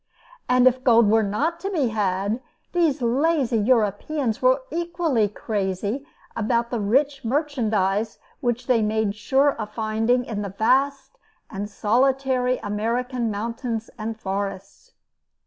And if gold were not to be had, these lazy Europeans were equally crazy about the rich merchandise which they made sure of finding in the vast and solitary American mountains and forests.